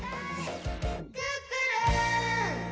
「クックルン！」